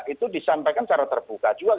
itu disampaikan secara terbuka juga